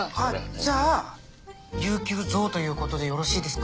じゃあ有休増ということでよろしいですか？